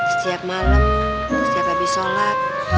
setiap malam setiap habis sholat